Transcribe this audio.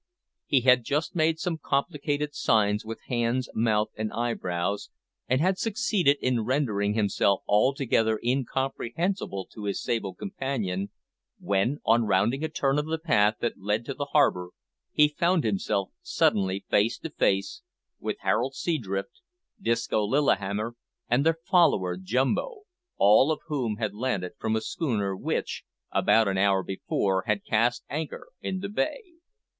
He had just made some complicated signs with hands, mouth, and eyebrows, and had succeeded in rendering himself altogether incomprehensible to his sable companion, when, on rounding a turn of the path that led to the harbour, he found himself suddenly face to face with Harold Seadrift, Disco Lillihammer, and their follower, Jumbo, all of whom had landed from a schooner, which, about an hour before, had cast anchor in the bay.